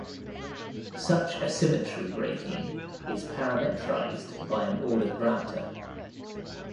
Such a symmetry breaking is parametrized by an order parameter.